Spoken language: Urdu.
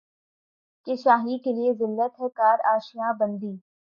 کہ شاہیں کیلئے ذلت ہے کار آشیاں بندی